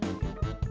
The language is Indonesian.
ini pakai baju apa